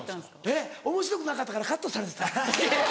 えっおもしろくなかったからカットされてた。